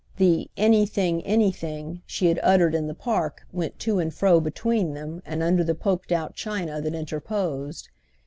The "anything, anything" she had uttered in the Park went to and fro between them and under the poked out china that interposed.